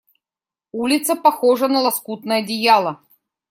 Улица похожа на лоскутное одеяло.